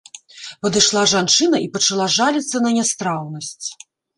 Падышла жанчына і пачала жаліцца на нястраўнасць.